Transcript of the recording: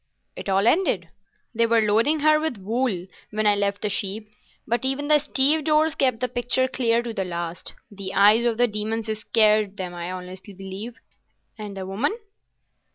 "It all ended. They were loading her with wool when I left the ship, but even the stevedores kept the picture clear to the last. The eyes of the demons scared them, I honestly believe." "And the woman?"